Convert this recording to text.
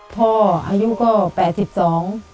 พ่ออายุก็๘๒